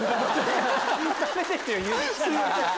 すいません。